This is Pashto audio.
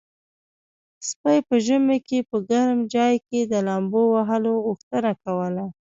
سپي په ژمي کې په ګرم چای کې د لامبو وهلو غوښتنه کوله.